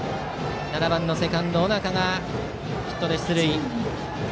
７番のセカンド、尾中がヒットで出塁。